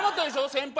先輩。